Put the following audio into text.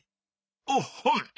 おっほん！